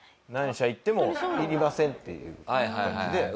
何社行っても「いりません」っていう感じで。